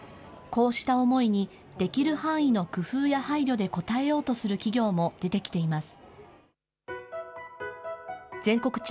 こうした思いに、できる範囲の工夫や配慮で応えようとする企業も出てきています。